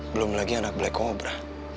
belum lagi anak black kobra